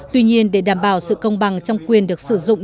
tuy nhiên để đảm bảo sự công bằng trong quyền được sử dụng